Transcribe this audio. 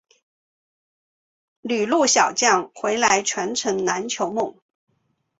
旅陆小将回来传承篮球梦